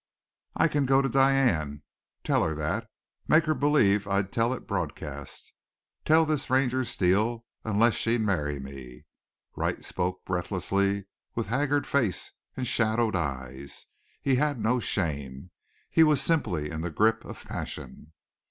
"I can go to Diane tell her that make her believe I'd tell it broadcast, tell this Ranger Steele, unless she'd marry me!" Wright spoke breathlessly, with haggard face and shadowed eyes. He had no shame. He was simply in the grip of passion.